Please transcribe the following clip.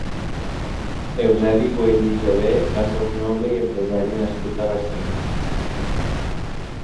Eusebi Güell i Jover va ser un noble i empresari nascut a Barcelona.